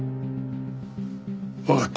わかった。